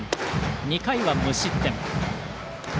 ２回は無失点。